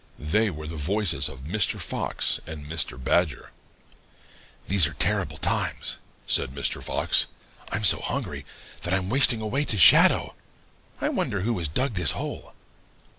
They were the voices of Mr. Fox and Mr. Badger. "'These are terrible times,' said Mr. Fox. 'I'm so hungry that I'm wasting away to a shadow. I wonder who has dug this hole.'